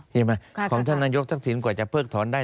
เห็นไหมของท่านนายกทักศิลป์กว่าจะเพิกถอนได้